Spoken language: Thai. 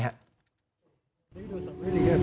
ก็ลดให้มันเป็นต้อง